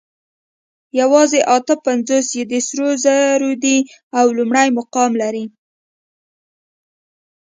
یواځې اته پنځوس یې د سرو زرو دي او لومړی مقام لري